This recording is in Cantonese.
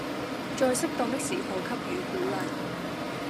在適當的時候給予鼓勵